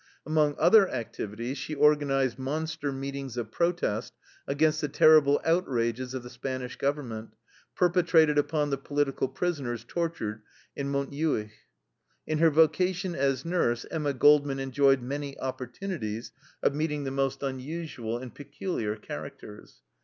Among other activities she organized monster meetings of protest against the terrible outrages of the Spanish government, perpetrated upon the political prisoners tortured in Montjuich. In her vocation as nurse Emma Goldman enjoyed many opportunities of meeting the most unusual and peculiar characters.